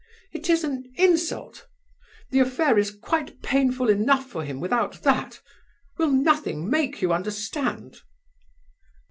It is an insult! The affair is quite painful enough for him without that. Will nothing make you understand?"